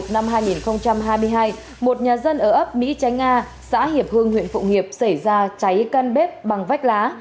năm hai nghìn hai mươi hai một nhà dân ở ấp mỹ chánh a xã hiệp hưng huyện phụng hiệp xảy ra cháy căn bếp bằng vách lá